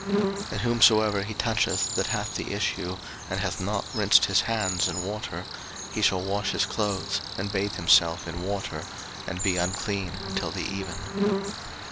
03:015:011 And whomsoever he toucheth that hath the issue, and hath not rinsed his hands in water, he shall wash his clothes, and bathe himself in water, and be unclean until the even.